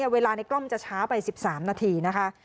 เวลาในกล้องจะช้าไป๑๓นาทีนะคะ